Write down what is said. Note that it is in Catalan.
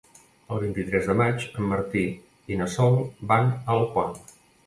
El vint-i-tres de maig en Martí i na Sol van a Alpont.